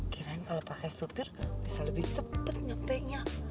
kirain kalau pakai supir bisa lebih cepet nyampe nya